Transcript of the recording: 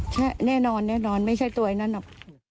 ใช่แน่นอนไม่ใช่ตัวไอ้นั่นหรอก